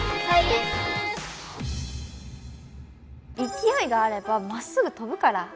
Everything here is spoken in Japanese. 勢いがあればまっすぐ飛ぶから。